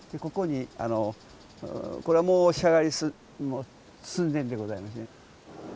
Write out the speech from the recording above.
ここにこれはもう仕上がり寸前でございますね。